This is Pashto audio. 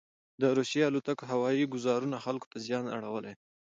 دروسیې الوتکوهوایي ګوزارونوخلکو ته زیان اړولی دی.